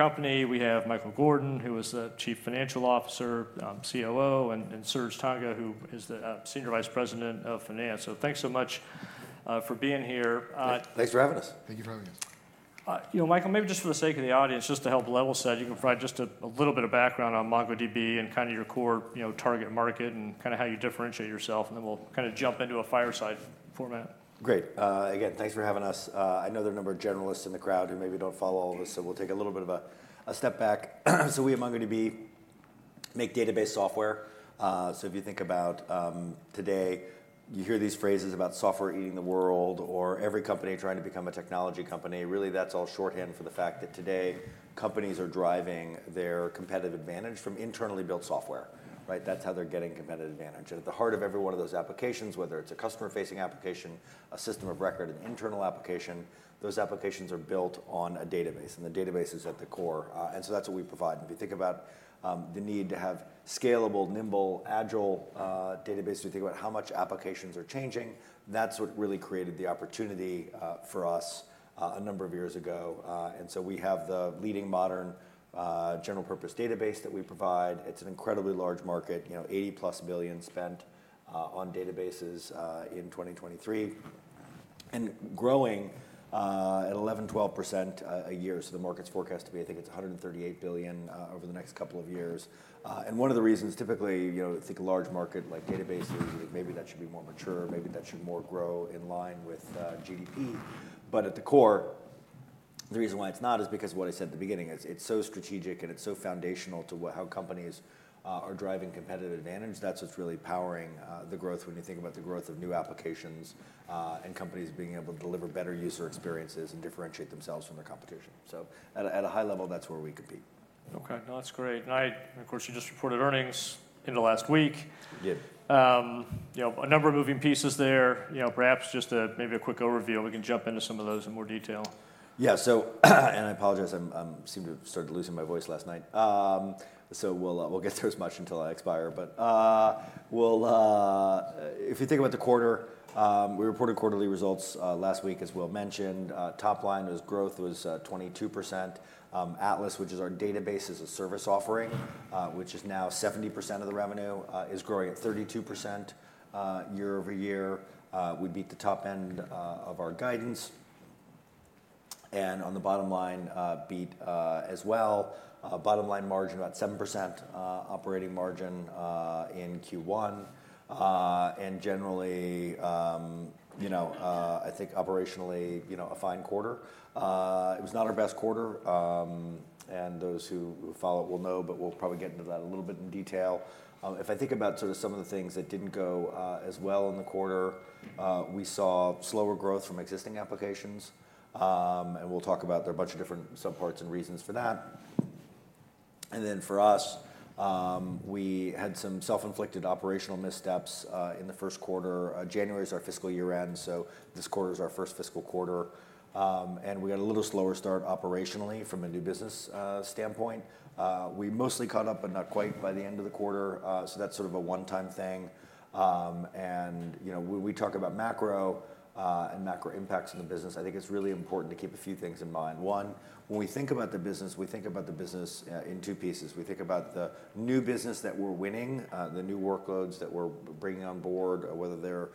Company, we have Michael Gordon, who is the Chief Financial Officer, COO, and, and Serge Tanjga, who is the Senior Vice President of Finance. So thanks so much for being here. Thanks for having us. Thank you for having us. You know, Michael, maybe just for the sake of the audience, just to help level set, you can provide just a little bit of background on MongoDB and kind of your core, you know, target market and kinda how you differentiate yourself, and then we'll kinda jump into a fireside format. Great. Again, thanks for having us. I know there are number of generalists in the crowd who maybe don't follow all of this, so we'll take a little bit of a step back. So we at MongoDB make database software. So if you think about, today, you hear these phrases about software eating the world or every company trying to become a technology company. Really, that's all shorthand for the fact that today, companies are driving their competitive advantage from internally built software, right? That's how they're getting competitive advantage. And at the heart of every one of those applications, whether it's a customer-facing application, a system of record, an internal application, those applications are built on a database, and the database is at the core. And so that's what we provide. If you think about the need to have scalable, nimble, agile database, if you think about how much applications are changing, that's what really created the opportunity for us a number of years ago. And so we have the leading modern general purpose database that we provide. It's an incredibly large market, you know, $80+ billion spent on databases in 2023, and growing at 11%, 12% a year. So the market's forecast to be I think it's $138 billion over the next couple of years. And one of the reasons typically, you know, think a large market like databases, maybe that should be more mature, maybe that should more grow in line with GDP. But at the core, the reason why it's not is because of what I said at the beginning. It's so strategic and it's so foundational to how companies are driving competitive advantage. That's what's really powering the growth when you think about the growth of new applications and companies being able to deliver better user experiences and differentiate themselves from the competition. So at a high level, that's where we compete. Okay. No, that's great. And of course, you just reported earnings in the last week. We did. You know, a number of moving pieces there. You know, perhaps just a, maybe a quick overview. We can jump into some of those in more detail. Yeah. So, and I apologize, I seemed to have started losing my voice last night. So we'll get through as much until I expire, but we'll, if you think about the quarter, we reported quarterly results last week as Will mentioned. Top line growth was 22%. Atlas, which is our database as a service offering, which is now 70% of the revenue, is growing at 32% year-over-year. We beat the top end of our guidance, and on the bottom line, beat as well. Bottom line margin, about 7%, operating margin in Q1. And generally, you know, I think operationally, you know, a fine quarter. It was not our best quarter, and those who follow will know, but we'll probably get into that a little bit in detail. If I think about sort of some of the things that didn't go as well in the quarter, we saw slower growth from existing applications, and we'll talk about, there are a bunch of different subparts and reasons for that. And then for us, we had some self-inflicted operational missteps in the first quarter. January is our fiscal year-end, so this quarter is our first fiscal quarter. And we got a little slower start operationally from a new business standpoint. We mostly caught up, but not quite by the end of the quarter, so that's sort of a one-time thing. You know, when we talk about macro and macro impacts in the business, I think it's really important to keep a few things in mind. One, when we think about the business, we think about the business in two pieces. We think about the new business that we're winning, the new workloads that we're bringing on board, whether they're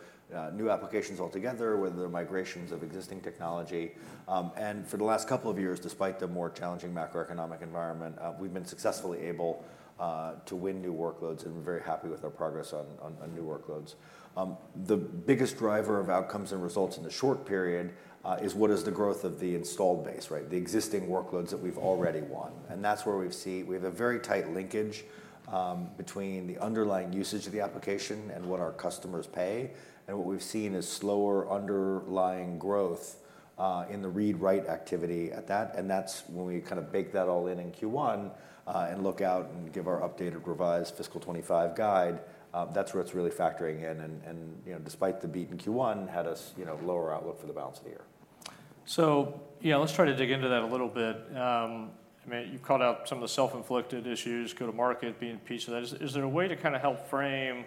new applications altogether, whether they're migrations of existing technology. For the last couple of years, despite the more challenging macroeconomic environment, we've been successfully able to win new workloads, and we're very happy with our progress on new workloads. The biggest driver of outcomes and results in the short period is what is the growth of the installed base, right? The existing workloads that we've already won. And that's where we've seen we have a very tight linkage between the underlying usage of the application and what our customers pay, and what we've seen is slower underlying growth in the read/write activity at that, and that's when we kind of bake that all in in Q1, and look out and give our updated revised fiscal 2025 guide, that's where it's really factoring in, and, you know, despite the beat in Q1, had us, you know, lower outlook for the balance of the year. So yeah, let's try to dig into that a little bit. I mean, you've called out some of the self-inflicted issues, go-to-market being a piece of that. Is there a way to kinda help frame,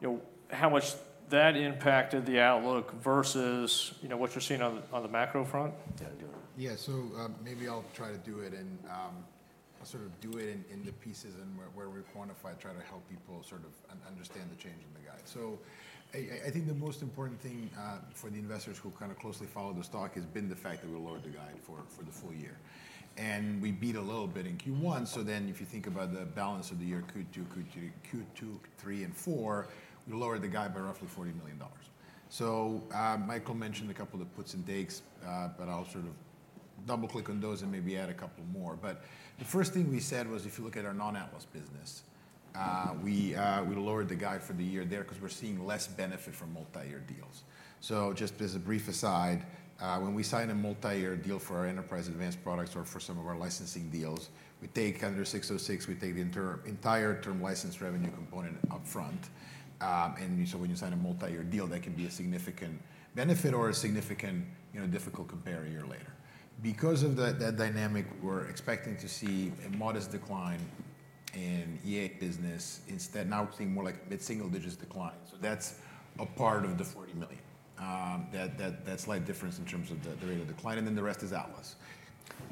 you know, how much that impacted the outlook versus, you know, what you're seeing on the macro front? Yeah, go ahead. Yeah. So, maybe I'll try to do it and sort of do it in the pieces and where we quantify, try to help people sort of understand the change in the guide. So I think the most important thing for the investors who kind of closely follow the stock has been the fact that we lowered the guide for the full year. And we beat a little bit in Q1, so then if you think about the balance of the year, Q2, Q3, and Q4, we lowered the guide by roughly $40 million. So, Michael mentioned a couple of the puts and takes, but I'll sort of double-click on those and maybe add a couple more. But the first thing we said was, if you look at our non-Atlas business, we lowered the guide for the year there 'cause we're seeing less benefit from multi-year deals. So just as a brief aside, when we sign a multi-year deal for our Enterprise Advanced products or for some of our licensing deals, we take under 606, we take the entire term license revenue component up front. And so when you sign a multi-year deal, that can be a significant benefit or a significant, you know, difficult compare a year later. Because of that, that dynamic, we're expecting to see a modest decline and EA business, instead now we're seeing more like mid-single digits decline. So that's a part of the $40 million, that slight difference in terms of the rate of decline, and then the rest is Atlas.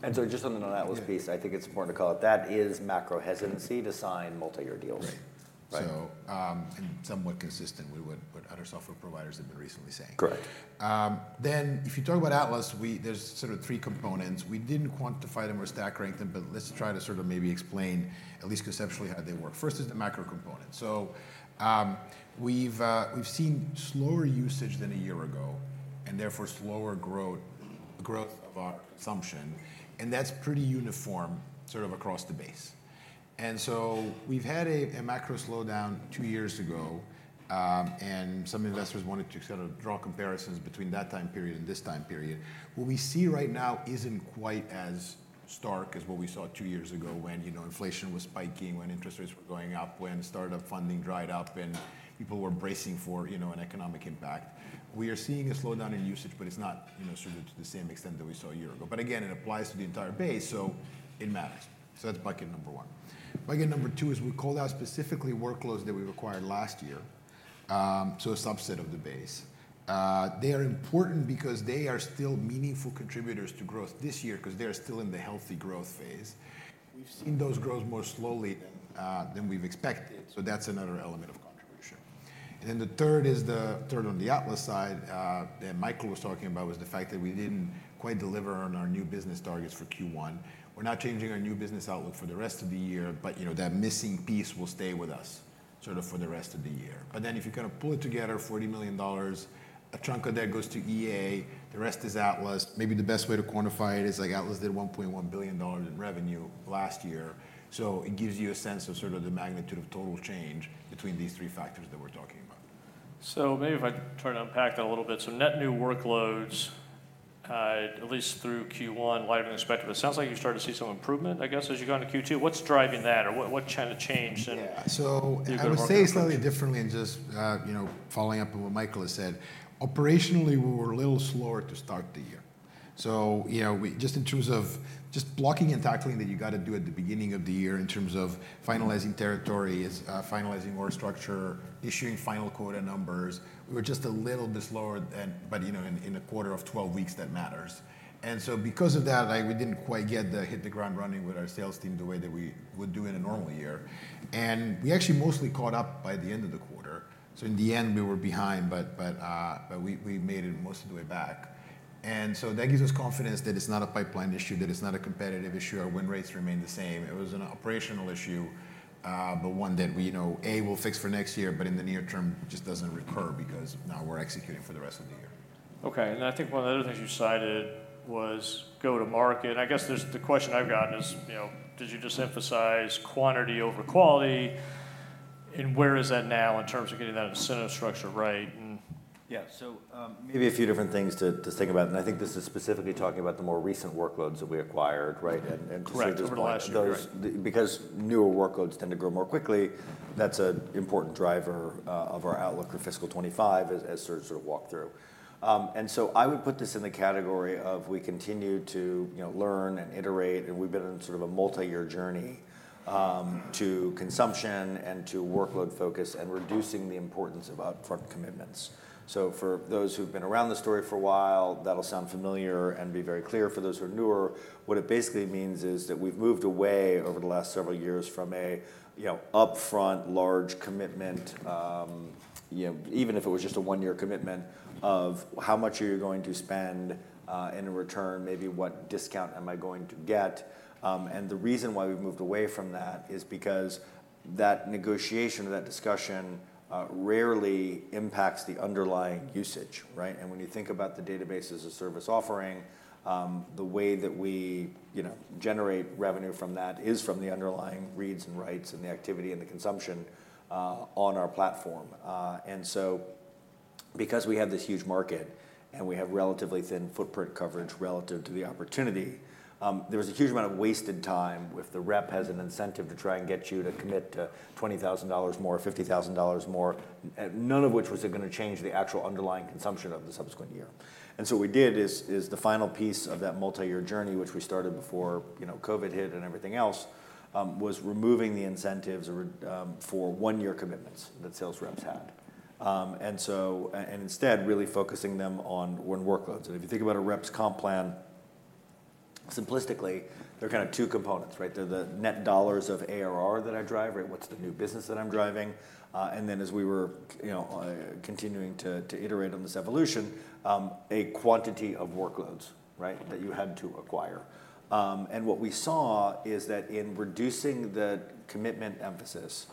And so just on the Atlas piece, I think it's important to call it, that is macro hesitancy to sign multi-year deals. Right. Right. So, and somewhat consistent with what other software providers have been recently saying. Correct. Then, if you talk about Atlas, we, there's sort of three components. We didn't quantify them or stack rank them, but let's try to sort of maybe explain, at least conceptually, how they work. First is the macro component. So, we've seen slower usage than a year ago, and therefore slower growth of our consumption, and that's pretty uniform, sort of across the base. And so we've had a macro slowdown two years ago, and some investors wanted to sort of draw comparisons between that time period and this time period. What we see right now isn't quite as stark as what we saw two years ago when, you know, inflation was spiking, when interest rates were going up, when startup funding dried up, and people were bracing for, you know, an economic impact. We are seeing a slowdown in usage, but it's not, you know, sort of to the same extent that we saw a year ago. But again, it applies to the entire base, so it matters. So that's bucket number one. Bucket number two is we called out specifically workloads that we acquired last year, so a subset of the base. They are important because they are still meaningful contributors to growth this year, 'cause they are still in the healthy growth phase. We've seen those grow more slowly than we've expected, so that's another element of contribution. And then the third is the third on the Atlas side, that Michael was talking about, was the fact that we didn't quite deliver on our new business targets for Q1. We're not changing our new business outlook for the rest of the year, but, you know, that missing piece will stay with us, sort of for the rest of the year. But then if you kind of pull it together, $40 million, a chunk of that goes to EA, the rest is Atlas. Maybe the best way to quantify it is, like, Atlas did $1.1 billion in revenue last year. So it gives you a sense of sort of the magnitude of total change between these three factors that we're talking about. So maybe if I try to unpack that a little bit. So net new workloads, at least through Q1, wider than expected. It sounds like you're starting to see some improvement, I guess, as you go into Q2. What's driving that, or what kinda changed then in your go-to-market function. Yeah. I would say it slightly differently and just, you know, following up on what Michael has said, operationally, we were a little slower to start the year. So, you know, we just in terms of just blocking and tackling that you gotta do at the beginning of the year in terms of finalizing territories, finalizing org structure, issuing final quota numbers. We were just a little bit slower but, you know, in, in a quarter of 12 weeks, that matters. And so because of that, like, we didn't quite get to hit the ground running with our sales team the way that we would do in a normal year. And we actually mostly caught up by the end of the quarter. So in the end, we were behind, but, but, but we, we made it most of the way back. And so that gives us confidence that it's not a pipeline issue, that it's not a competitive issue, our win rates remain the same. It was an operational issue, but one that we know, we'll fix for next year, but in the near term, it just doesn't recur because now we're executing for the rest of the year. Okay, and I think one of the other things you cited was go to market. I guess there's the question I've gotten is, you know, did you just emphasize quantity over quality? And where is that now in terms of getting that incentive structure right, and. Yeah. So, maybe a few different things to think about, and I think this is specifically talking about the more recent workloads that we acquired, right? And, correct. Over the last year, right, because newer workloads tend to grow more quickly, that's an important driver of our outlook for fiscal 2025 as Serge sort of walked through. And so I would put this in the category of we continue to, you know, learn and iterate, and we've been on sort of a multi-year journey, to consumption and to workload focus and reducing the importance of upfront commitments. So for those who've been around this story for a while, that'll sound familiar and be very clear. For those who are newer, what it basically means is that we've moved away over the last several years from a, you know, upfront, large commitment, you know, even if it was just a one-year commitment, of how much are you going to spend, in return, maybe what discount am I going to get? And the reason why we've moved away from that is because that negotiation or that discussion, rarely impacts the underlying usage, right? And when you think about the database as a service offering, the way that we, you know, generate revenue from that is from the underlying reads and writes and the activity and the consumption on our platform. And so because we have this huge market and we have relatively thin footprint coverage relative to the opportunity, there was a huge amount of wasted time if the rep has an incentive to try and get you to commit to $20,000 more, $50,000 more, none of which was gonna change the actual underlying consumption of the subsequent year. And so what we did is the final piece of that multi-year journey, which we started before, you know, COVID hit and everything else, was removing the incentives or for one-year commitments that sales reps had. And so instead, really focusing them on winning workloads. And if you think about a reps comp plan, simplistically, there are kind of two components, right? They're the net dollars of ARR that I drive, right? What's the new business that I'm driving? And then as we were, you know, continuing to iterate on this evolution, a quantity of workloads, right, that you had to acquire. And what we saw is that in reducing the commitment emphasis,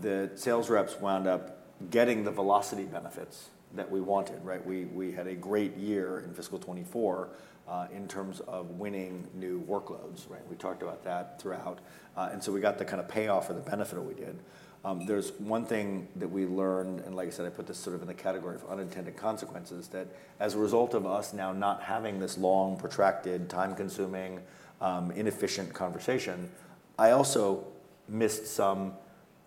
the sales reps wound up getting the velocity benefits that we wanted, right? We had a great year in fiscal 2024, in terms of winning new workloads, right? We talked about that throughout. And so we got the kind of payoff or the benefit that we did. There's one thing that we learned, and like I said, I put this sort of in the category of unintended consequences, that as a result of us now not having this long, protracted, time-consuming, inefficient conversation, I also missed some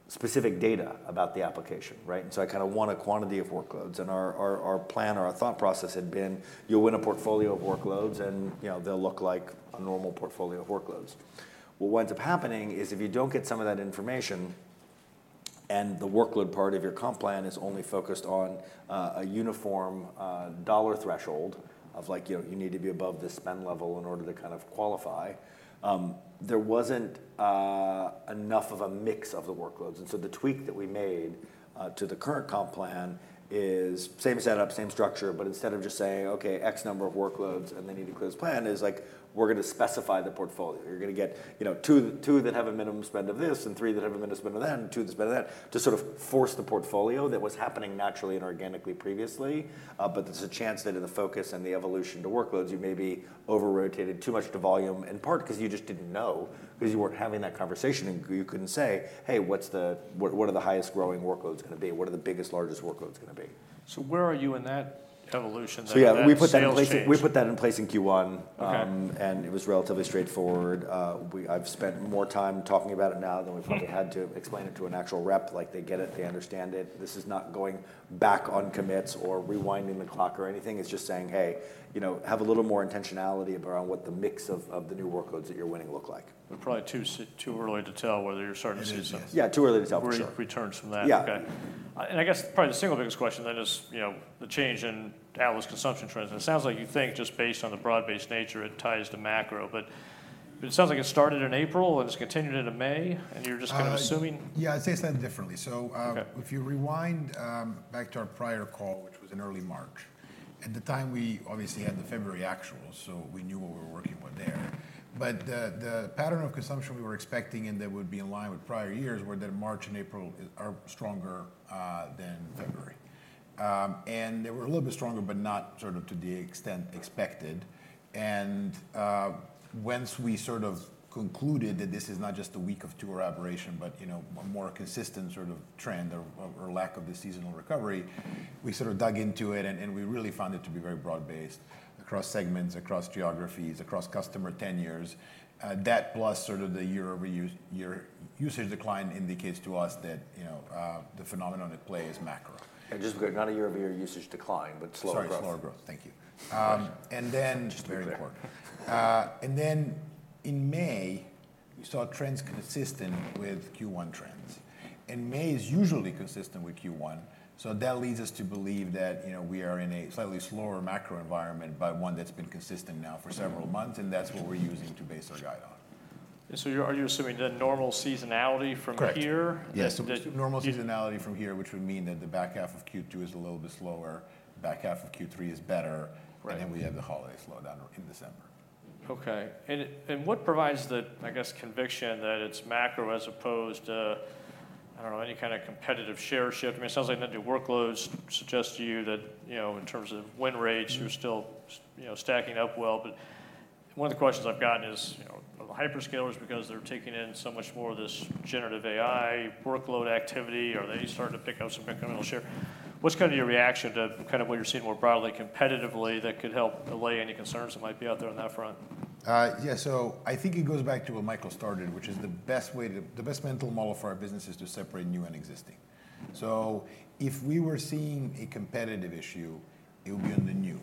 specific data about the application, right? And so I kind of want a quantity of workloads, and our plan or our thought process had been, you'll win a portfolio of workloads and, you know, they'll look like a normal portfolio of workloads. Well, what ends up happening is if you don't get some of that information, and the workload part of your comp plan is only focused on a uniform dollar threshold of like, you know, you need to be above this spend level in order to kind of qualify, there wasn't enough of a mix of the workloads. And so the tweak that we made to the current comp plan is same setup, same structure, but instead of just saying, "Okay, X number of workloads, and then you declare this plan," is like, we're gonna specify the portfolio. You're gonna get, you know, two, two that have a minimum spend of this, and three that have a minimum spend of that, and two that spend of that, to sort of force the portfolio that was happening naturally and organically previously. But there's a chance that in the focus and the evolution to workloads, you may be over-rotated too much to volume, in part 'cause you just didn't know, 'cause you weren't having that conversation and you couldn't say, "Hey, what's the, what, what are the highest growing workloads gonna be? What are the biggest, largest workloads gonna be? Where are you in that evolution then, of that sales change? So yeah, we put that in place, we put that in place in Q1. And it was relatively straightforward. I've spent more time talking about it now than we've probably had to explain it to an actual rep. Like they get it, they understand it. This is not going back on commits or rewinding the clock or anything. It's just saying, "Hey, you know, have a little more intentionality around what the mix of, of the new workloads that you're winning look like. But probably too early to tell whether you're starting to see something returns from that. Yeah, too early to tell, for sure. Yeah. Okay. I guess probably the single biggest question then is, you know, the change in Atlas consumption trends. It sounds like you think just based on the broad-based nature, it ties to macro, but it sounds like it started in April, and it's continued into May, and you're just kind of assuming? Yeah, I'd say slightly differently. Okay. So, if you rewind back to our prior call, which was in early March, at the time we obviously had the February actuals, so we knew what we were working with there. But the pattern of consumption we were expecting, and that would be in line with prior years, were that March and April are stronger than February. And they were a little bit stronger, but not sort of to the extent expected. And once we sort of concluded that this is not just a week or two aberration, but you know, a more consistent sort of trend or lack of the seasonal recovery, we sort of dug into it, and we really found it to be very broad-based across segments, across geographies, across customer tenures. That plus sort of the year-over-year usage decline indicates to us that, you know, the phenomenon at play is macro. Just not a year-over-year usage decline, but slower growth. Sorry, slower growth. Thank you. Yes. Just very important. And then in May, we saw trends consistent with Q1 trends. And May is usually consistent with Q1, so that leads us to believe that, you know, we are in a slightly slower macro environment, but one that's been consistent now for several months, and that's what we're using to base our guide on. So are you assuming then normal seasonality from here? Correct. Yeah, so normal seasonality from here, which would mean that the back half of Q2 is a little bit slower, the back half of Q3 is better and then we have the holiday slowdown in December. Okay. And what provides the, I guess, conviction that it's macro as opposed to, I don't know, any kind of competitive share shift? I mean, it sounds like the new workloads suggest to you that, you know, in terms of win rates. You're still, you know, stacking up well. But one of the questions I've gotten is, you know, the hyperscalers, because they're taking in so much more of this generative AI workload activity, are they starting to pick up some incremental share? What's kind of your reaction to kind of what you're seeing more broadly, competitively, that could help allay any concerns that might be out there on that front? Yeah, so I think it goes back to what Michael started, which is the best way to the best mental model for our business is to separate new and existing. So if we were seeing a competitive issue, it would be on the new.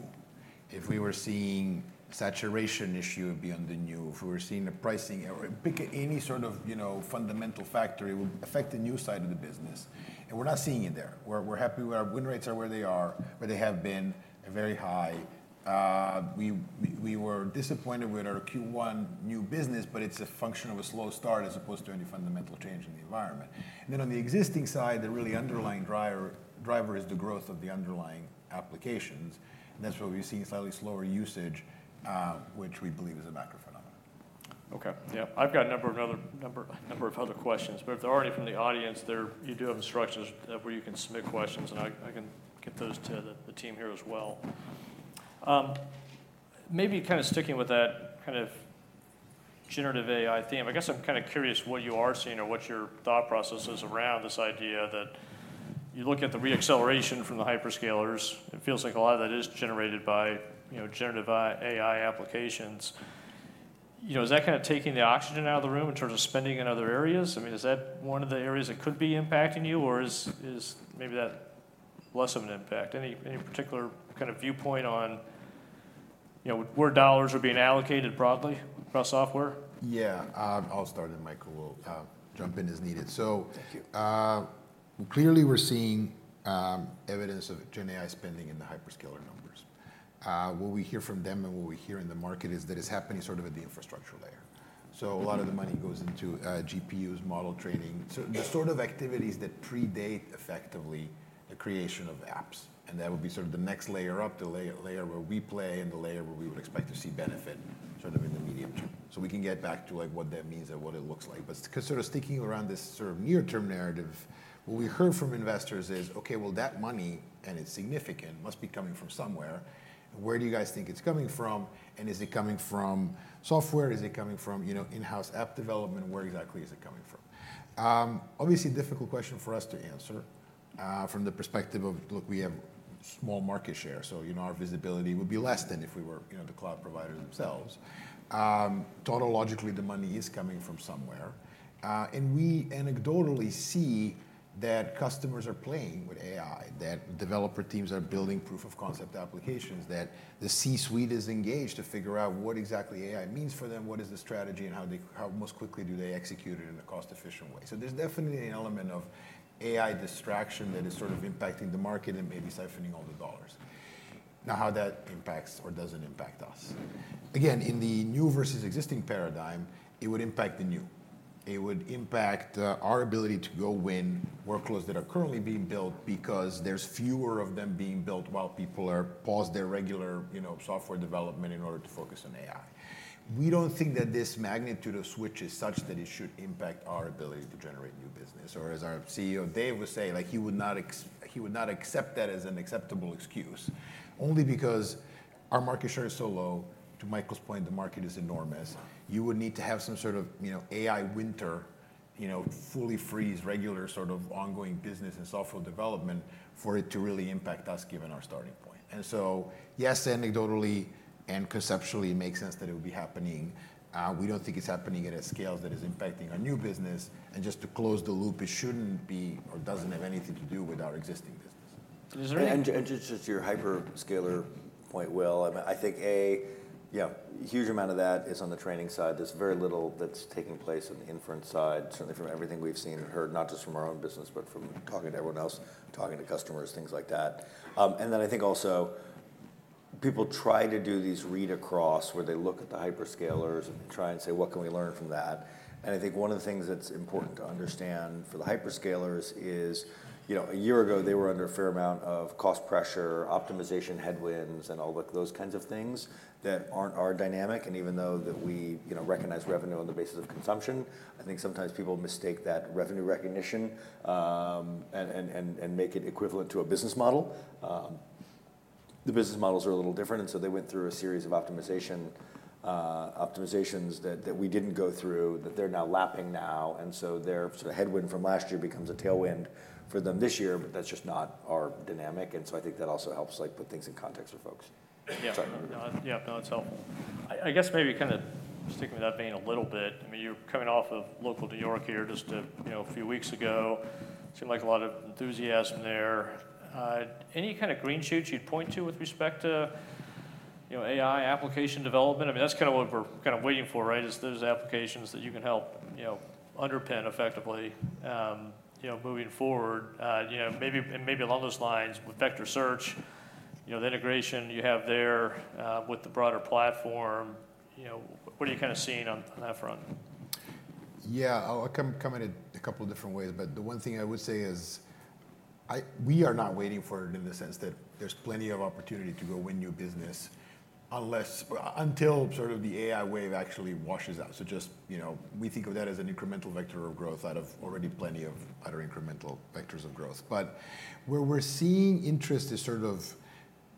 If we were seeing saturation issue, it would be on the new. If we were seeing a pricing error, pick any sort of, you know, fundamental factor, it would affect the new side of the business, and we're not seeing it there. We're happy where our win rates are where they are, where they have been very high. We were disappointed with our Q1 new business, but it's a function of a slow start as opposed to any fundamental change in the environment. And then on the existing side, the really underlying driver is the growth of the underlying applications, and that's where we've seen slightly slower usage, which we believe is a macro phenomenon. Okay. Yeah, I've got a number of other questions, but if there are any from the audience, there you do have instructions where you can submit questions, and I can get those to the team here as well. Maybe kind of sticking with that kind of generative AI theme, I guess I'm kind of curious what you are seeing or what your thought process is around this idea that you look at the reacceleration from the hyperscalers. It feels like a lot of that is generated by, you know, generative AI applications. You know, is that kind of taking the oxygen out of the room in terms of spending in other areas? I mean, is that one of the areas that could be impacting you, or is maybe that less of an impact? Any particular kind of viewpoint on, you know, where dollars are being allocated broadly across software? Yeah. I'll start, and Michael will jump in as needed. Thank you. So clearly, we're seeing evidence of gen AI spending in the hyperscaler numbers. What we hear from them and what we hear in the market is that it's happening sort of at the infrastructure layer. So a lot of the money goes into GPUs, model training, so the sort of activities that predate, effectively, the creation of apps, and that would be sort of the next layer up, the layer where we play and the layer where we would expect to see benefit, sort of in the medium term. So we can get back to, like, what that means and what it looks like. But sort of sticking around this sort of near-term narrative, what we heard from investors is, "Okay, well, that money, and it's significant, must be coming from somewhere. Where do you guys think it's coming from, and is it coming from software? Is it coming from, you know, in-house app development? Where exactly is it coming from?" Obviously, a difficult question for us to answer from the perspective of, look, we have small market share, so, you know, our visibility would be less than if we were, you know, the cloud providers themselves. Tautologically, the money is coming from somewhere. And we anecdotally see that customers are playing with AI, that developer teams are building proof-of-concept applications, that the C-suite is engaged to figure out what exactly AI means for them, what is the strategy, and how they, how most quickly do they execute it in a cost-efficient way. So there's definitely an element of AI distraction that is sort of impacting the market and maybe siphoning all the dollars. Now, how that impacts or doesn't impact us? Again, in the new versus existing paradigm, it would impact the new. It would impact our ability to go win workloads that are currently being built because there's fewer of them being built while people are paused their regular, you know, software development in order to focus on AI. We don't think that this magnitude of switch is such that it should impact our ability to generate new business, or as our CEO, Dev, would say, like, he would not accept that as an acceptable excuse, only because our market share is so low. To Michael's point, the market is enormous. You would need to have some sort of, you know, AI winter, you know, fully freeze regular sort of ongoing business and software development for it to really impact us, given our starting point. Yes, anecdotally and conceptually, it makes sense that it would be happening. We don't think it's happening at a scale that is impacting our new business, and just to close the loop, it shouldn't be or doesn't have anything to do with our existing business. And just, just to your hyperscaler point, Will, I mean, I think, A, yeah, huge amount of that is on the training side. There's very little that's taking place on the inference side, certainly from everything we've seen and heard, not just from our own business, but from talking to everyone else, talking to customers, things like that. And then I think also people try to do these read-across, where they look at the hyperscalers and try and say: What can we learn from that? And I think one of the things that's important to understand for the hyperscalers is, you know, a year ago they were under a fair amount of cost pressure, optimization headwinds, and all of those kinds of things that aren't our dynamic. Even though that we, you know, recognize revenue on the basis of consumption, I think sometimes people mistake that revenue recognition, and make it equivalent to a business model. The business models are a little different, and so they went through a series of optimization, optimizations that we didn't go through, that they're now lapping now, and so their headwind from last year becomes a tailwind for them this year, but that's just not our dynamic, and so I think that also helps, like, put things in context for folks. Yeah. Sorry. Yeah, no, it's helpful. I guess maybe kinda sticking with that vein a little bit, I mean, you're coming off of local New York here just you know, few weeks ago. Seemed like a lot of enthusiasm there. Any kind of green shoots you'd point to with respect to, you know, AI application development? I mean, that's kinda what we're kinda waiting for, right? Is those applications that you can help, you know, underpin effectively, you know, moving forward. You know, maybe, and maybe along those lines with vector search, you know, the integration you have there, with the broader platform, you know, what are you kinda seeing on that front? Yeah, I'll come, come at it a couple different ways, but the one thing I would say is we are not waiting for it in the sense that there's plenty of opportunity to go win new business until sort of the AI wave actually washes out. So just, you know, we think of that as an incremental vector of growth out of already plenty of other incremental vectors of growth. But where we're seeing interest is sort of,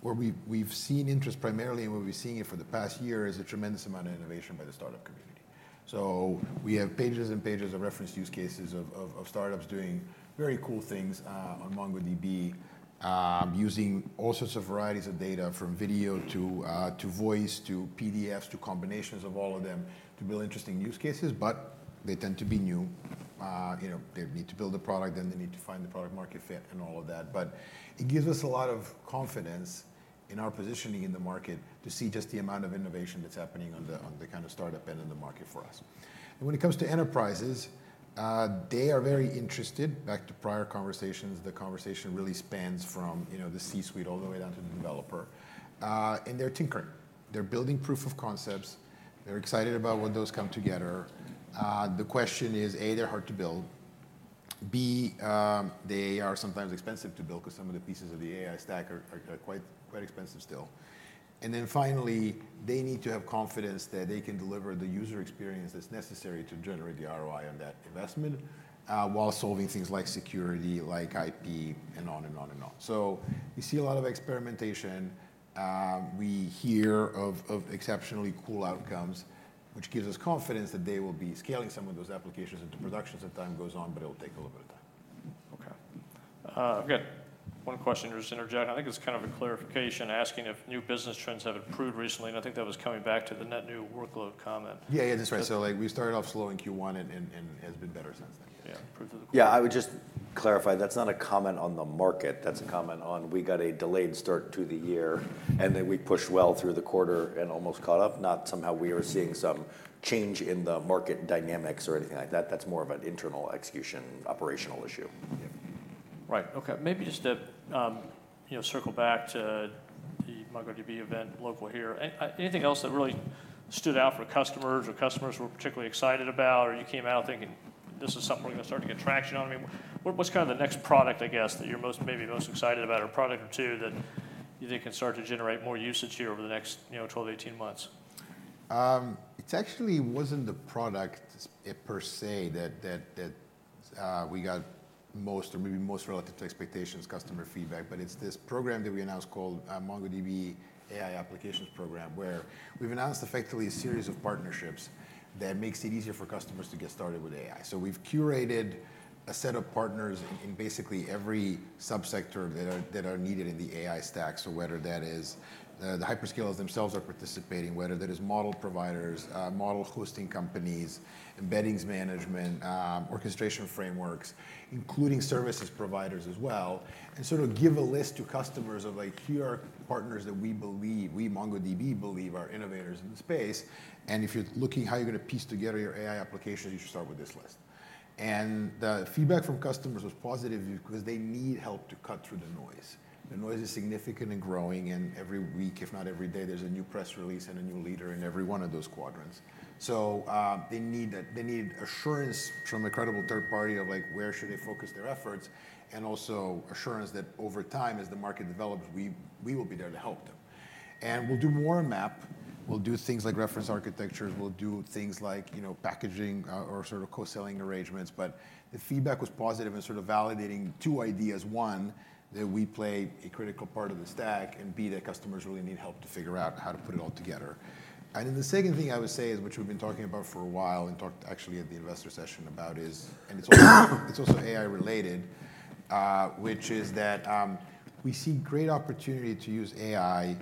we've seen interest primarily and where we've seen it for the past year, is a tremendous amount of innovation by the startup community. So we have pages and pages of reference use cases of startups doing very cool things on MongoDB, using all sorts of varieties of data, from video to voice, to PDFs, to combinations of all of them, to build interesting use cases, but they tend to be new. You know, they need to build a product, then they need to find the product market fit and all of that. But it gives us a lot of confidence in our positioning in the market to see just the amount of innovation that's happening on the kinda startup and in the market for us. And when it comes to enterprises, they are very interested. Back to prior conversations, the conversation really spans from, you know, the C-suite all the way down to the developer. And they're tinkering. They're building proof of concepts. They're excited about when those come together. The question is, A, they're hard to build, B, they are sometimes expensive to build 'cause some of the pieces of the AI stack are quite expensive still. And then finally, they need to have confidence that they can deliver the user experience that's necessary to generate the ROI on that investment, while solving things like security, like IP, and on and on and on. So we see a lot of experimentation. We hear of exceptionally cool outcomes, which gives us confidence that they will be scaling some of those applications into production as time goes on, but it'll take a little bit of time. Okay. I've got one question, just to interject. I think it's kind of a clarification, asking if new business trends have improved recently, and I think that was coming back to the net new workload comment. Yeah, yeah, that's right. So, like, we started off slow in Q1, and it has been better since then. Yeah, proof of them. Yeah, I would just clarify, that's not a comment on the market. That's a comment on we got a delayed start to the year, and then we pushed well through the quarter and almost caught up, not somehow we are seeing some change in the market dynamics or anything like that. That's more of an internal execution, operational issue. Yeah. Right. Okay, maybe just to, you know, circle back to the MongoDB.local event here. Anything else that really stood out for customers or customers were particularly excited about, or you came out thinking, "This is something we're gonna start to get traction on?" I mean, what, what's kinda the next product, I guess, that you're most, maybe most excited about, or product or two that you think can start to generate more usage here over the next, you know, 12, 18 months? It actually wasn't the product per se that we got most or maybe most relative to expectations, customer feedback, but it's this program that we announced called MongoDB AI Applications Program, where we've announced effectively a series of partnerships that makes it easier for customers to get started with AI. So we've curated a set of partners in basically every sub-sector that are needed in the AI stack. So whether that is the hyperscalers themselves are participating, whether that is model providers, model hosting companies, embeddings management, orchestration frameworks, including services providers as well, and sort of give a list to customers of, like, "Here are partners that we believe, we, MongoDB, believe are innovators in the space. And if you're looking how you're gonna piece together your AI application, you should start with this list. And the feedback from customers was positive because they need help to cut through the noise. The noise is significant and growing, and every week, if not every day, there's a new press release and a new leader in every one of those quadrants. So, they need that. They need assurance from a credible third party of, like, where should they focus their efforts, and also assurance that over time, as the market develops, we, we will be there to help them. And we'll do more on map. We'll do things like reference architectures. We'll do things like, you know, packaging, or sort of co-selling arrangements. But the feedback was positive in sort of validating two ideas: one, that we play a critical part of the stack, and B, that customers really need help to figure out how to put it all together. And then the second thing I would say is, which we've been talking about for a while, and talked actually at the investor session about is, and it's also, it's also AI-related, which is that, we see great opportunity to use AI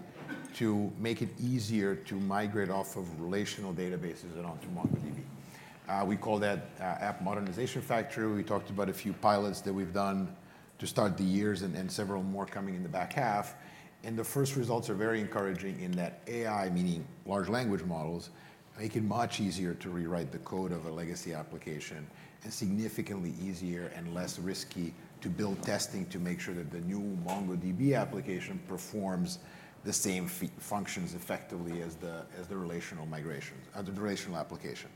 to make it easier to migrate off of relational databases and onto MongoDB. We call that, App Modernization Factory. We talked about a few pilots that we've done to start the years, and, and several more coming in the back half. The first results are very encouraging in that AI, meaning large language models, make it much easier to rewrite the code of a legacy application, and significantly easier and less risky to build testing to make sure that the new MongoDB application performs the same functions effectively as the relational application.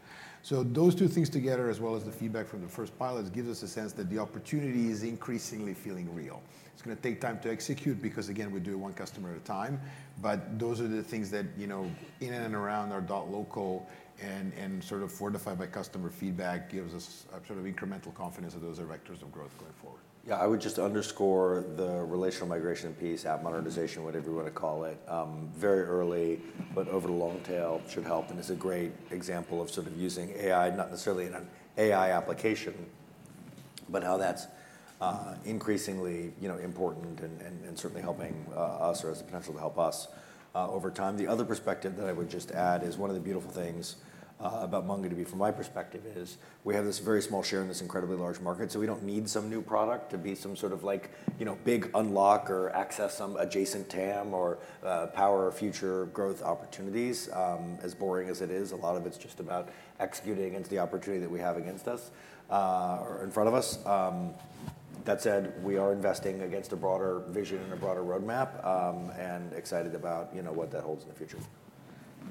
Those two things together, as well as the feedback from the first pilots, gives us a sense that the opportunity is increasingly feeling real. It's gonna take time to execute because, again, we do it one customer at a time, but those are the things that, you know, in and around our MongoDB.local and, and sort of fortified by customer feedback, gives us a sort of incremental confidence that those are vectors of growth going forward. Yeah, I would just underscore the relational migration piece, app modernization, whatever you wanna call it, very early, but over the long tail should help and is a great example of sort of using AI, not necessarily in an AI application, but how that's increasingly, you know, important and certainly helping us or has the potential to help us over time. The other perspective that I would just add is, one of the beautiful things about MongoDB from my perspective is, we have this very small share in this incredibly large market, so we don't need some new product to be some sort of like, you know, big unlock or access some adjacent TAM or power future growth opportunities. As boring as it is, a lot of it's just about executing against the opportunity that we have against us, or in front of us. That said, we are investing against a broader vision and a broader roadmap, and excited about, you know, what that holds in the future. Yeah,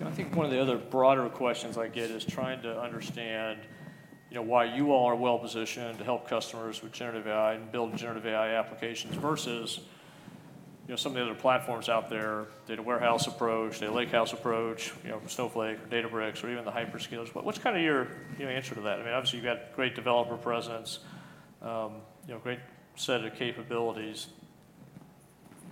I think one of the other broader questions I get is trying to understand, you know, why you all are well-positioned to help customers with generative AI and build generative AI applications versus, you know, some of the other platforms out there, data warehouse approach, data lakehouse approach, you know, Snowflake or Databricks, or even the hyperscalers. What, what's kind of your, you know, answer to that? I mean, obviously, you've got great developer presence, you know, great set of capabilities.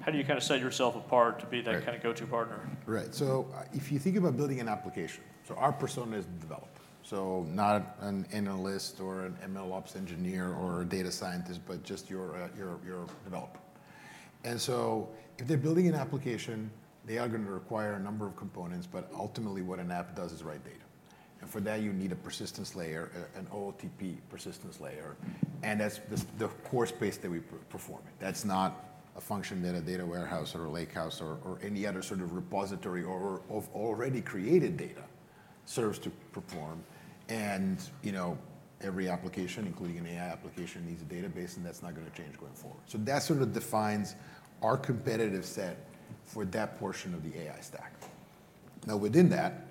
How do you kind of set yourself apart to be that kind of go-to partner? Right. So if you think about building an application, so our persona is the developer. So not an analyst or an MLOps engineer or a data scientist, but just your, your developer. And so if they're building an application, they are gonna require a number of components, but ultimately what an app does is write data. And for that, you need a persistence layer, an OLTP persistence layer, and that's the core space that we perform in. That's not a function that a data warehouse or a lakehouse or any other sort of repository or of already created data serves to perform. And, you know, every application, including an AI application, needs a database, and that's not gonna change going forward. So that sort of defines our competitive set for that portion of the AI stack. Now, within that,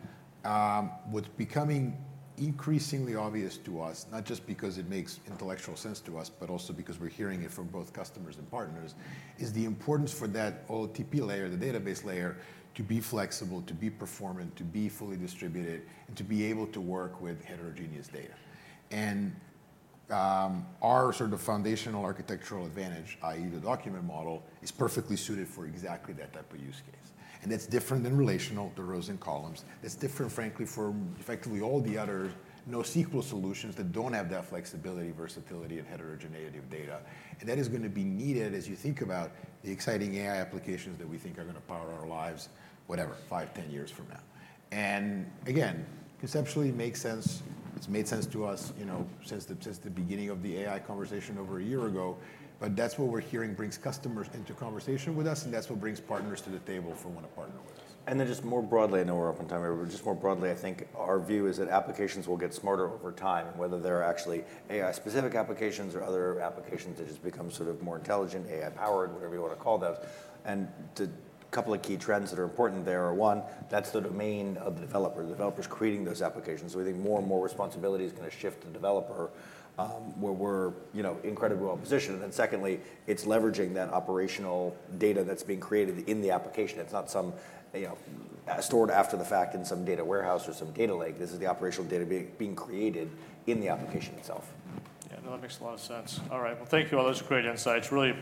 what's becoming increasingly obvious to us, not just because it makes intellectual sense to us, but also because we're hearing it from both customers and partners, is the importance for that OLTP layer, the database layer, to be flexible, to be performant, to be fully distributed, and to be able to work with heterogeneous data. And, our sort of foundational architectural advantage, i.e., the document model, is perfectly suited for exactly that type of use case. And that's different than relational, the rows and columns. It's different, frankly, for effectively all the other NoSQL solutions that don't have that flexibility, versatility, and heterogeneity of data. And that is gonna be needed as you think about the exciting AI applications that we think are gonna power our lives, whatever, 5, 10 years from now. And again, conceptually, it makes sense. It's made sense to us, you know, since the beginning of the AI conversation over a year ago, but that's what we're hearing brings customers into conversation with us, and that's what brings partners to the table who want to partner with us. And then just more broadly, I know we're up on time, but just more broadly, I think our view is that applications will get smarter over time, whether they're actually AI-specific applications or other applications that just become sort of more intelligent, AI-powered, whatever you want to call those. And the couple of key trends that are important there are, one, that's the domain of the developer, the developer's creating those applications. So we think more and more responsibility is gonna shift to the developer, where we're, you know, incredibly well-positioned. And then secondly, it's leveraging that operational data that's being created in the application. It's not some, you know, stored after the fact in some data warehouse or some data lake. This is the operational data being created in the application itself. Yeah, no, that makes a lot of sense. All right. Well, thank you all. Those are great insights. Really-